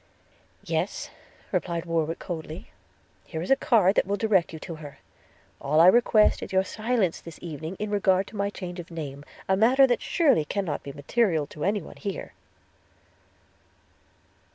'Yes,' replied Warwick coldly; 'here is a card that will direct you to her – All I request is your silence this evening in regard to my change of name; a matter that surely cannot be material to any one here.'